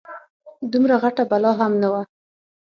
دومره غټه بلا هم نه وه.